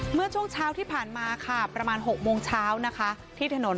เมื่อช่วงเช้าที่ผ่านมาค่ะประมาณ๖โมงเช้านะคะที่ถนน